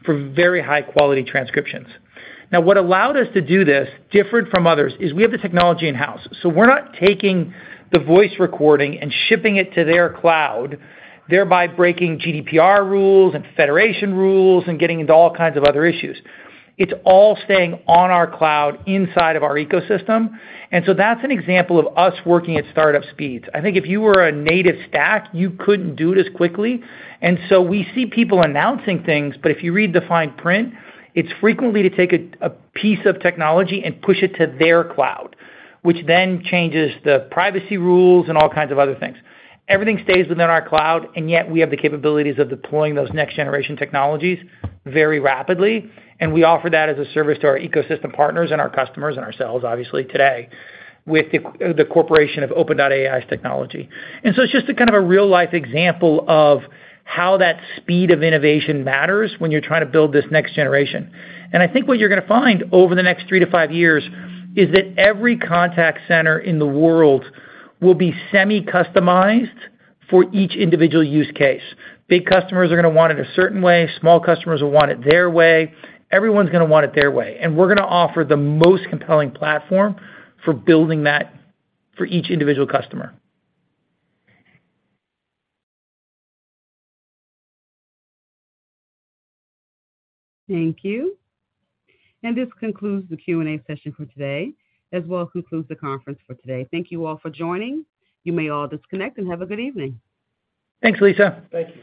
for very high-quality transcriptions. Now, what allowed us to do this, different from others, is we have the technology in-house, so we're not taking the voice recording and shipping it to their cloud, thereby breaking GDPR rules and federation rules and getting into all kinds of other issues. It's all staying on our cloud inside of our ecosystem, and so that's an example of us working at startup speeds. I think if you were a native stack, you couldn't do it as quickly. We see people announcing things, but if you read the fine print, it's frequently to take a piece of technology and push it to their cloud, which then changes the privacy rules and all kinds of other things. Everything stays within our cloud, and yet we have the capabilities of deploying those next-generation technologies very rapidly, and we offer that as a service to our ecosystem partners and our customers and ourselves, obviously, today, with the corporation of OpenAI's technology. So it's just a kind of a real-life example of how that speed of innovation matters when you're trying to build this next generation. I think what you're going to find over the next three to five years is that every contact center in the world will be semi-customized for each individual use case. Big customers are going to want it a certain way, small customers will want it their way. Everyone's going to want it their way, and we're going to offer the most compelling platform for building that for each individual customer. Thank you. This concludes the Q&A session for today, as well as concludes the conference for today. Thank you all for joining. You may all disconnect and have a good evening. Thanks, Lisa. Thank you.